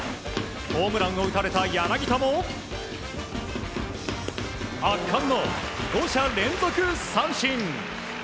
ホームランを打たれた柳田も圧巻の５者連続三振。